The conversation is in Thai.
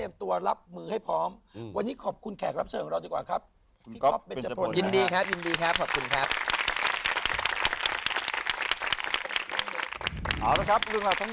โอ๊มันพาผมเข้าทะเวกเปลี่ยนรถไปด่าเขา